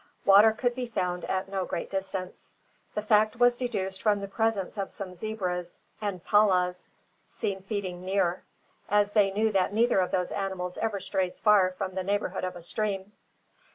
Water would be found at no great distance. This fact was deduced from the presence of some zebras and pallahs, seen feeding near, as they knew that neither of those animals ever strays far from the neighbourhood of a stream.